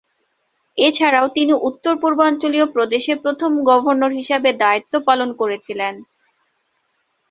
এছাড়াও তিনি উত্তর-পূর্বাঞ্চলীয় প্রদেশের প্রথম গভর্নর হিসেবে দায়িত্ব পালন করেছিলেন।